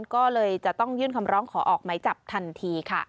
ก็เลยจะต้องยื่นคำร้องขอออกไหมจับทันทีค่ะ